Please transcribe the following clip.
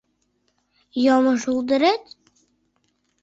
Йомо шулдырет?